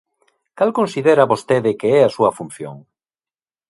Cal considera vostede que é a súa función?